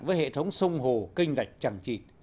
với hệ thống sông hồ kênh gạch chẳng chỉ